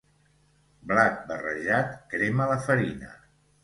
Blat barrejat crema la farina.